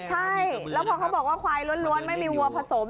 ใช่แล้วพอเขาบอกว่าควายล้วนไม่มีวัวผสม